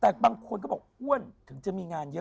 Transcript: แต่บางคนก็บอกอ้วนถึงจะมีงานเยอะ